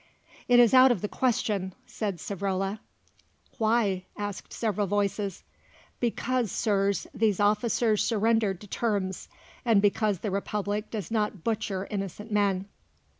"It is out of the question," said Savrola. "Why?" asked several voices. "Because, Sirs, these officers surrendered to terms, and because the Republic does not butcher innocent men."